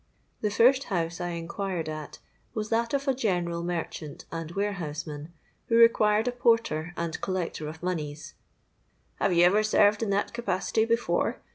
The first house I inquired at was that of a general merchant and warehouseman, who required a porter and collector of monies.—'Have you ever served in that capacity before?'